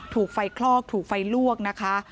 ถูกไฟคลอกถูกไฟลวกนะคะ